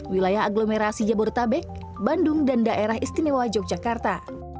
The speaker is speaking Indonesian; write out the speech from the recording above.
wilayah agglomerasi jabodetabek bandung dan daerah istimewa yogyakarta